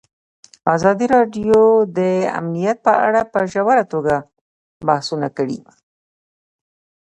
ازادي راډیو د امنیت په اړه په ژوره توګه بحثونه کړي.